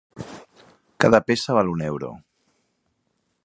Cada peça val un euro.